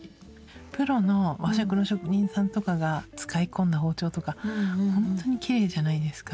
プロの和食の職人さんとかが使い込んだ包丁とかほんとにきれいじゃないですか。